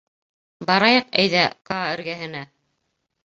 Барайыҡ, әйҙә, Каа эргәһенә.